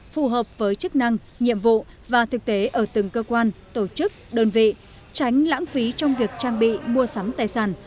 phù hợp với chức năng nhiệm vụ và thực tế ở từng cơ quan tổ chức đơn vị tránh lãng phí trong việc trang bị mua sắm tài sản